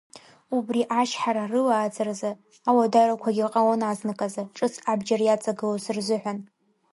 Убри ачҳара рылааӡаразы, ауадаҩрақәагьы ҟалон азныказы, ҿыц абџьар иаҵагылоз рзыҳәан.